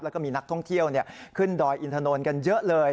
แล้วก็มีนักท่องเที่ยวขึ้นดอยอินทนนท์กันเยอะเลย